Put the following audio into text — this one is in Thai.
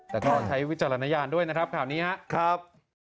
แต่ก็ใช้วิจารณญาณด้วยนะครับข่าวนี้ครับ